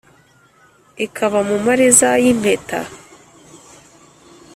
ikaba mu mariza y’ impeta,